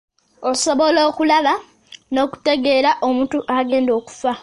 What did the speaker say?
Osobola okulaba n'okutegeera omuntu agenda okufa.